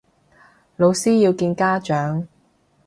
老師要見家長